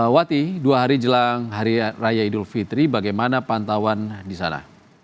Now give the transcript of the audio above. wati dua hari jelang hari raya idul fitri bagaimana pantauan di sana